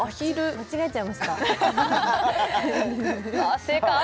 間違えちゃいましたさあ